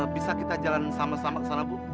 bisa kita jalan sama sama ke sana bu